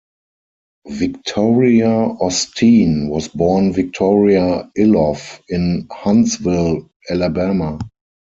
Victoria Osteen was born Victoria Iloff in Huntsville, Alabama.